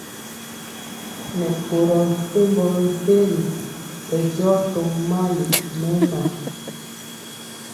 Nɛ boro mepempɔ mɛmpegi bɛndiɔ tó mali mɛma.